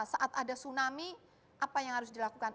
saat ada tsunami apa yang harus dilakukan